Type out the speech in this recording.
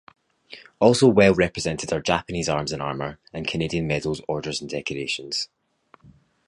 Also well represented are Japanese arms and armour, and Canadian medals, orders, and decorations.